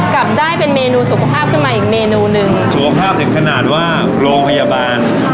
กลับได้เป็นเมนูสุขภาพขึ้นมาอีกเมนูหนึ่งสุขภาพถึงขนาดว่าโรงพยาบาล